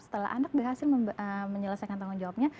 setelah anak berhasil menyelesaikan tanggung jawabnya